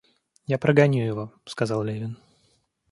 Я прогоню его, — сказал Левин.